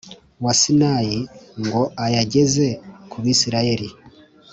wa Sinayi m ngo ayageze ku Bisirayeli